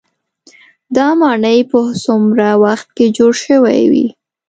دا ماڼۍ په څومره وخت کې جوړې شوې وي.